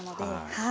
はい。